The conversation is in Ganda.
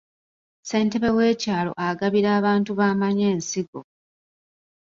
Ssentebe w'ekyalo agabira abantu b'amanyi ensigo.